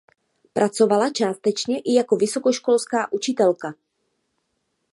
Pracovala částečně i jako vysokoškolská učitelka.